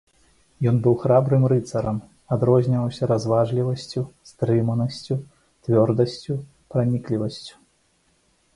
Ён быў храбрым рыцарам, адрозніваўся разважлівасцю, стрыманасцю, цвёрдасць, праніклівасцю.